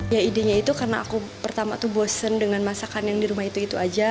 ya idenya itu karena aku pertama tuh bosen dengan masakan yang di rumah itu itu aja